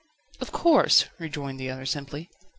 "Of course," rejoined the other simply.